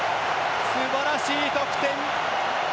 すばらしい得点！